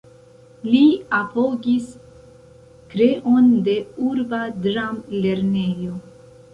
Li apogis kreon de Urba Dram-Lernejo.